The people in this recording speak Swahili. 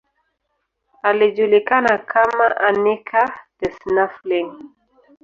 Alijulikana kama Anica the Snuffling.